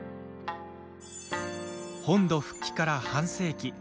本土復帰から半世紀。